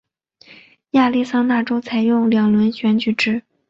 亚利桑那州采用两轮选举制。